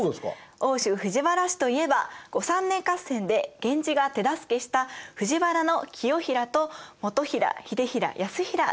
奥州藤原氏といえば後三年合戦で源氏が手助けした藤原清衡と基衡秀衡泰衡ですよね。